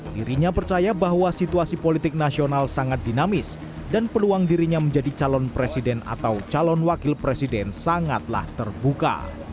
dirinya percaya bahwa situasi politik nasional sangat dinamis dan peluang dirinya menjadi calon presiden atau calon wakil presiden sangatlah terbuka